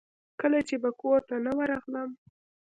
کله چې به کورته نه ورغلم.